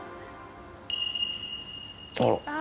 あら。